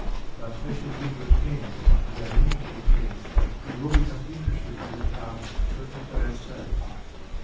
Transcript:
But as you begin to attend to the uninteresting thing you will become interested in the task for its own sake.